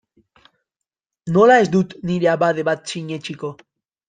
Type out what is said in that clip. Nola ez dut nire abade bat sinetsiko?